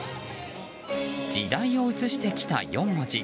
時代を映してきた４文字。